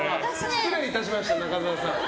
失礼いたしました、中沢さん。